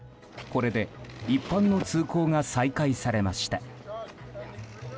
これで一般の通行が再開されました。